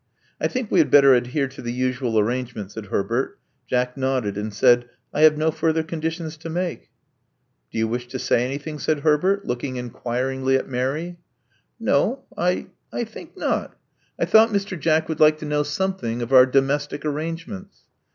*'I think we h^d better adhere to the usual arrange ment," said IMrbert. Jack nodded, and said, *'I have no further ^gJSitions to make." Do you wish to say anything?" said Herbert, look ing inquiringly at Mary. Love Among the Artists 23 ^*No, I — I think not I thought Mr. Jack would like to know something of our domestic arrangements."